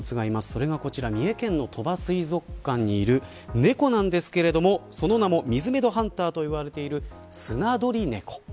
それが三重県の鳥羽水族館にいる猫なんですけど、その名も水辺のハンターと言われているスナドリネコ。